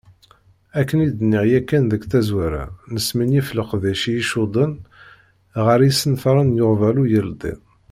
Akken i d-nniɣ yakan deg tazwara, nesmenyif leqdic i icudden ɣer yisenfaren n uɣbalu yeldin.